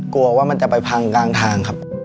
กลัวว่ามันจะไปพังทาง